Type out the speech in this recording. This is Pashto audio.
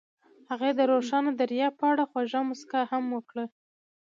هغې د روښانه دریاب په اړه خوږه موسکا هم وکړه.